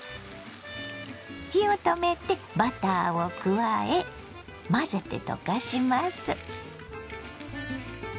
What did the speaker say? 火を止めてバターを加え混ぜて溶かします。